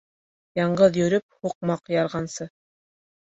Яңғыҙ йөрөп һуҡмаҡ ярғансы